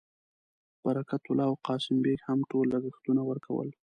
برکت الله او قاسم بېګ هم ټول لګښتونه ورکول.